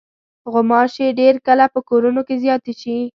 غوماشې ډېر کله په کورونو کې زیاتې شي.